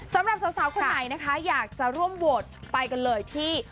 สำหรับสาวคนไหนนะคะอยากจะร่วมโหวตไปกันเลยที่